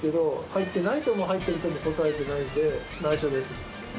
入ってないとも、入ってるとも答えてないんで、ないしょです。